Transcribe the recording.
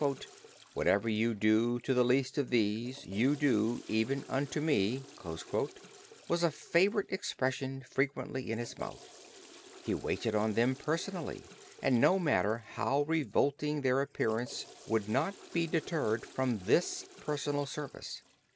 "Whatever you do to the least of these you do even unto me" was a favorite expression frequently in his mouth. He waited on them personally and no matter how revolting their appearance would not be deterred from this personal service.